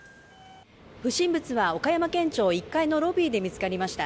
不審物は岡山県庁１階のロビーで見つかりました。